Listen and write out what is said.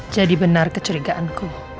jadi benar kecerigaanku